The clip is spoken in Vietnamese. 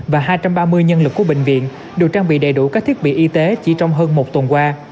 và hai trăm ba mươi nhân lực của bệnh viện được trang bị đầy đủ các thiết bị y tế chỉ trong hơn một tuần qua